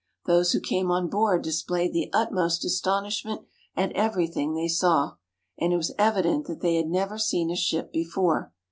Those who came on board displayed the utmost astonishment at everything they saw, and it was evident that they had never seen a ship before.